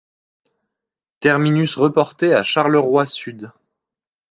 Terminus reporté à Charleroi Sud.